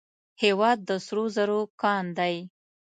هیواد د سرو زرو کان دی